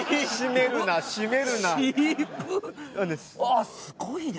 あっすごいね。